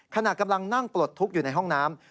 ขณะกำลังนั่งปลดทุกข์อยู่ในห้องน้ำ